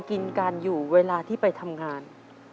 กินกันอยู่เวลาที่ไปทำงาน